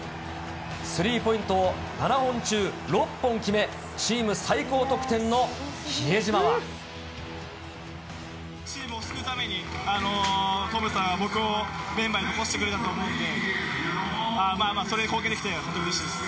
スリーポイントを７本中、６本決め、チームを救うために、トムさんは僕をメンバーに残してくれたと思うので、それに貢献できて本当にうれしいです。